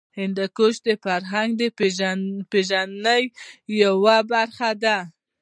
هندوکش د فرهنګي پیژندنې یوه برخه ده.